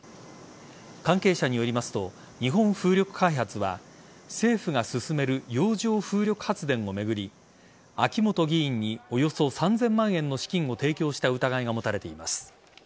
関係者によりますと日本風力開発は政府が進める洋上風力発電を巡り秋本議員におよそ３０００万円の資金を提供した疑いが持たれています。